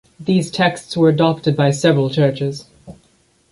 These texts were adopted by several churches.